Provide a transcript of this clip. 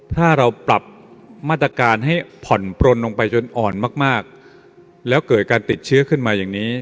ถ้าเราปรับมาตรการให้ผ่อนปลนลงไปจนอ่อนมากแล้วเกิดการติดเชื้อขึ้นมาอย่างนี้